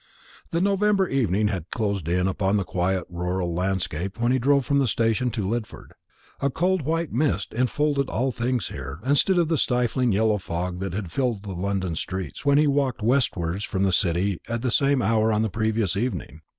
The November evening had closed in upon the quiet rural landscape when he drove from the station to Lidford. A cold white mist enfolded all things here, instead of the stifling yellow fog that had filled the London streets when he walked westwards from the City at the same hour on the previous evening.